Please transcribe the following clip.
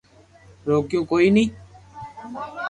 روڪيو ڪوئي ني